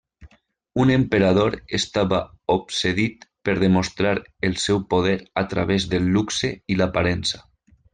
Un emperador estava obsedit per demostrar el seu poder a través del luxe i l'aparença.